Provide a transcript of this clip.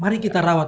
mari kita rawat